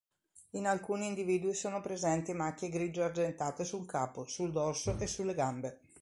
In alcuni individui sono presenti macchie grigio-argentate sul capo, sul dorso e sulle gambe.